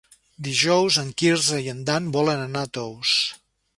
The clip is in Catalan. Dijous en Quirze i en Dan volen anar a Tous.